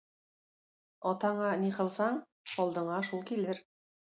Атаңа ни кылсаң, алдыңа шул килер.